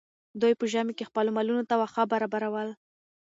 دوی په ژمي کې خپلو مالونو ته واښه برابرول.